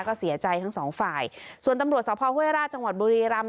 ก็เสียใจทั้งสองฝ่ายส่วนตำรวจสภห้วยราชจังหวัดบุรีรำ